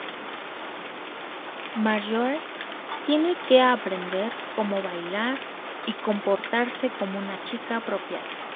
Marjorie tiene que aprender como bailar y comportarse como una chica apropiada.